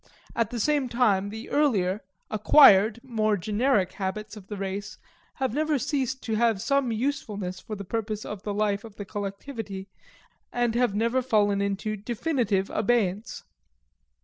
At the same time the earlier acquired, more generic habits of the race have never ceased to have some usefulness for the purpose of the life of the collectivity and have never fallen into definitive abeyance.